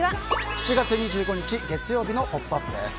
７月２５日、月曜日の「ポップＵＰ！」です。